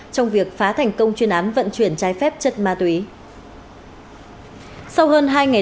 trong việc phá thành công chuyên án vận chuyển trái phép chất ma túy